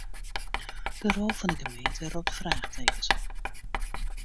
De rol fan 'e gemeente ropt fraachtekens op.